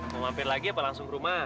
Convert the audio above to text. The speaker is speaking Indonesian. mau mampir lagi apa langsung ke rumah